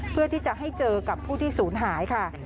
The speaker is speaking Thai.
เพื่อที่จะให้เจอกับผู้ที่ศูนย์หายค่ะ